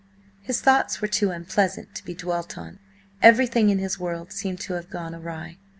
His thoughts were too unpleasant to be dwelt on; everything in his world seemed to have gone awry.